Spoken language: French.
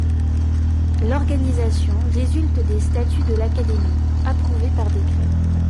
L'organisation résulte des statuts de l'Académie, approuvés par décret.